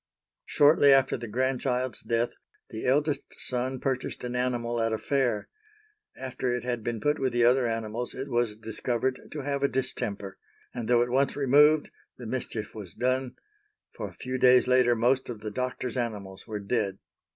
Shortly after the grandchild's death the eldest son purchased an animal at a fair; after it had been put with the other animals it was discovered to have a distemper, and, though at once removed the mischief was done, for a few days later most of the doctor's animals were dead.